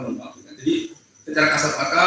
memaklumkan jadi secara kasar mata